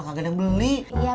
kagak ada yang beli